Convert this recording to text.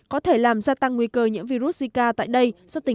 có thể làm gia tăng nguy cơ nhiễm virus zika tại đây xuất